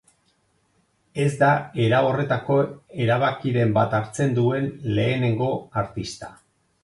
Ez da era horretako erabakiren bat hartzen duen lehenengo artista.